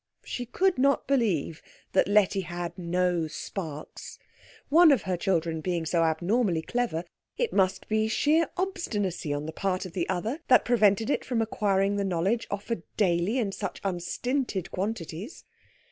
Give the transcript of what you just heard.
She could not believe that Letty had no sparks. One of her children being so abnormally clever, it must be sheer obstinacy on the part of the other that prevented it from acquiring the knowledge offered daily in such unstinted quantities.